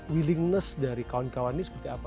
willingness dari kawan kawan ini seperti apa